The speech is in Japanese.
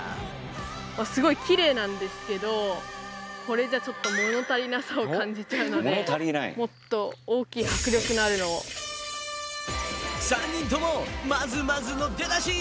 すごいキレイなんですけどこれじゃちょっと物足りなさを感じちゃうのでもっと大きい３人ともまずまずの出だし！